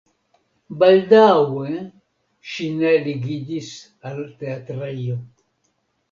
Baldaŭe ŝi ne ligiĝis al teatrejo.